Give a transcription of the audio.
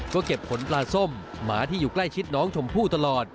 ก็เก็บขนปลาส้มหมาที่อยู่ใกล้ชิดน้องชมพู่ตลอด